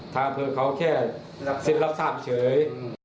ทางเผลอเขาแค่สิ้นรับทราบเฉย